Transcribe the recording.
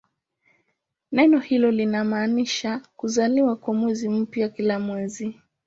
Neno hilo linamaanisha "kuzaliwa" kwa mwezi mpya kila mwezi.